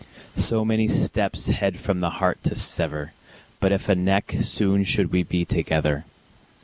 So many steps, head from the heart to sever, If but a neck, soon should we be together.